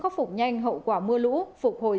khắc phục nhanh hậu quả mưa lũ phục hồi